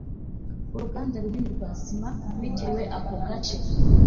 uruganda runini rwa sima rwitiriwe ako gace